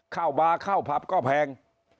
บาร์ข้าวผับก็แพง